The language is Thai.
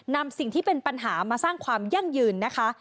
นำสิ่งที่เป็นปัญหามาสร้างความยั่งยืนนะคะ